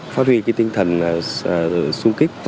phát huy tinh thần sung kích